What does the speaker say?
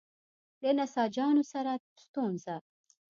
له نساجانو سره ستونزه.